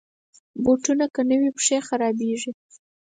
بوټونه که نه وي، پښې خراشانېږي.